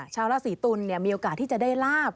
ชาวราศีตุลมีโอกาสที่จะได้ลาบ